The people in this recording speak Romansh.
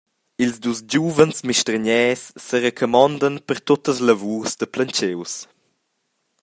Ils dus giuvens mistergners serecamondan per tuttas lavurs da plantschius.